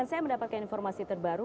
dan saya mendapatkan informasi terbaru